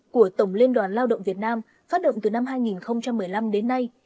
của tổng liên đoàn lao động việt nam phát động từ năm hai nghìn một mươi năm đến nay